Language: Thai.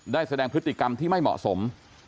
แสดงพฤติกรรมที่ไม่เหมาะสม